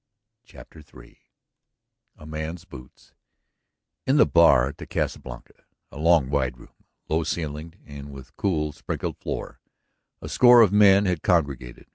CHAPTER III A MAN'S BOOTS In the bar at the Casa Blanca, a long, wide room, low ceilinged and with cool, sprinkled floor, a score of men had congregated.